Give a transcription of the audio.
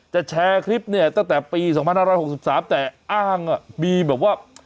แชร์คลิปเนี่ยตั้งแต่ปี๒๕๖๓แต่อ้างมีแบบว่า